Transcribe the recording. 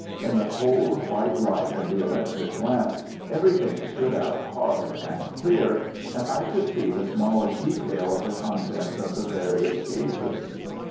In the cold white light of the electric lamps everything stood out hard and clear, and I could see the smallest detail of the contents of the various cases.